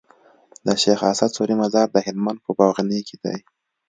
د شيخ اسعد سوري مزار د هلمند په بغنی کي دی